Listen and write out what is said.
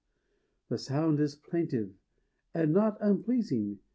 The sound is plaintive, and not unpleasing.